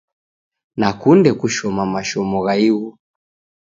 Nakunde kushoma mashomo gha ighu